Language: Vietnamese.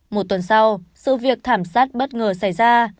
một tuần sau sự việc thảm sát bất ngờ xảy ra